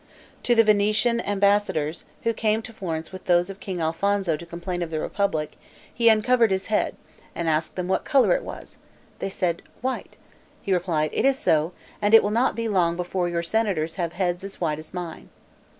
To the Venetians ambassadors, who came to Florence with those of King Alfonso to complain of the republic, he uncovered his head, and asked them what color it was; they said, "white;" he replied, "it is so; and it will not be long before your senators have heads as white as mine."